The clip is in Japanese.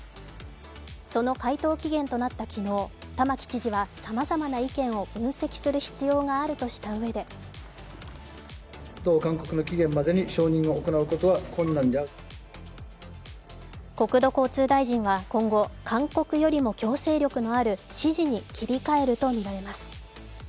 その回答期限となった昨日、玉城知事はさまざまな意見を分析する必要があるとしたうえで国土交通大臣は今後、勧告よりも強制力のある指示に切り替えるとみられます。